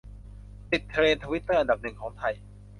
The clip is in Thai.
ติดเทรนด์ทวิตเตอร์อันดับหนึ่งของไทย